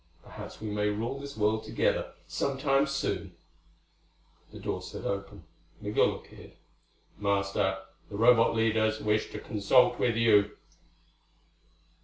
Perhaps we may rule this world together, some time soon." The door slid open. Migul appeared. "Master, the Robot leaders wish to consult with you."